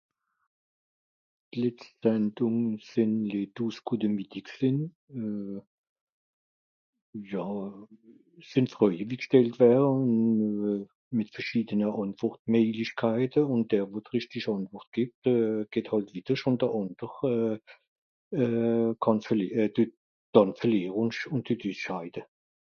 d'leschte sendùng sìn les douze coups de midi gsìn ùn jà sìn freuje wie gestellt wäre ùn euh mìt verschidene àntwòrt meilich kànn hette ùn der wo d'richtig àntwort gebt euh gebt àn wiederscht ùn d'àndert euh kànn verlie euh dànn verliere ...